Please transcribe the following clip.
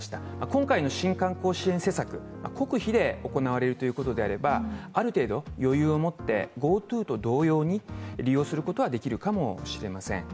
今回の新観光支援策、国費で行われるということであれば、ある程度余裕を持って、ＧｏＴｏと同様に利用できるかもしれません。